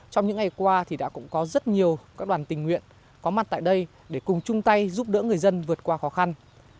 trong những ngày qua thì đã cũng có rất nhiều các đoàn tình nguyện có mặt tại đây để cùng chung tay giúp đỡ người dân vượt qua khó khăn